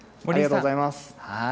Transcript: ありがとうございます。